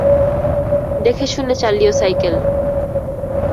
দেখেশুনে চালিও সাইকেল।